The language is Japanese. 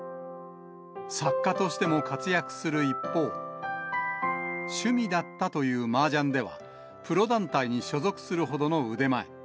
作家としても活躍する一方、趣味だったというマージャンでは、プロ団体に所属するほどの腕前。